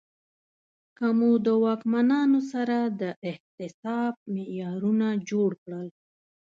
که مو د واکمنانو سره د احتساب معیارونه جوړ کړل